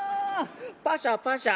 パシャパシャ』。